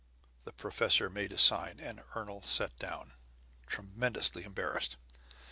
The professor made a sign, and Ernol sat down, tremendously embarrassed.